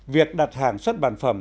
việc đặt hàng xuất bản phẩm